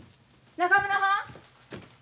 中村さん！